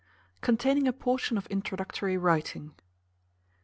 Containing a portion of introductory writing.